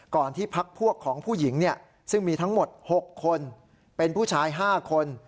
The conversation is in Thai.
ก่อนที่พักพวกของผู้หญิงเนี่ยซึ่งมีทั้งหมดหกคนเป็นผู้ชายห้าคน